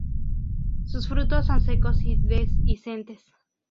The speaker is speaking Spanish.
Sus frutos son secos y dehiscentes.